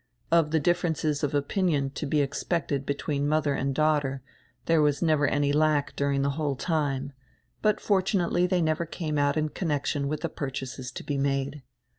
Of die differences of opinion to be expected between modier and daughter diere was never any lack during die whole time, but fortunately diey never came out in connection widi die purchases to be made.